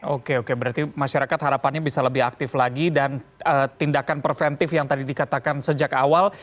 oke oke berarti masyarakat harapannya bisa lebih aktif lagi dan tindakan preventif yang tadi dikatakan sejak awal